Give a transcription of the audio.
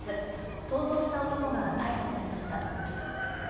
逃走した男が逮捕されました。